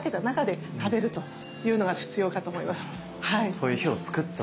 そういう日を作っとく？